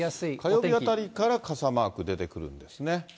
火曜日あたりから傘マーク出てくるんですね。